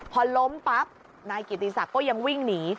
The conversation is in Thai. พอล้มปั๊บนายกิติศักดิ์ก็ยังวิ่งหนี